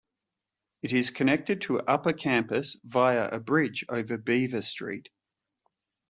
It is connected to upper campus via a bridge over Beaver Street.